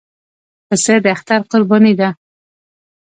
پسه د اختر قرباني ده.